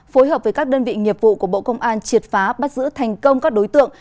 phối hợp với các đơn vị nghiệp vụ của bộ công an triệt phá bắt giữ thành công các đối tượng